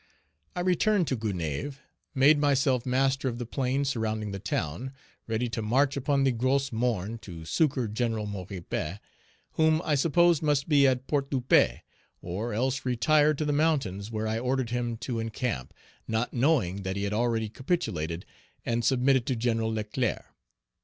I returned to Gonaïves, made myself master of the plain surrounding the town, ready to march upon the Gros Morne to succor Gen. Maurepas, whom I supposed must be at Port de Paix, or else retired to the mountains where I ordered him to encamp, not knowing that he had already capitulated and submitted to Gen. Leclerc.